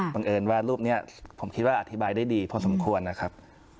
เอิญว่ารูปนี้ผมคิดว่าอธิบายได้ดีพอสมควรนะครับ